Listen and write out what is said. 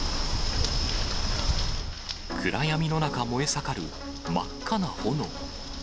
暗闇の中、燃え盛る真っ赤な炎。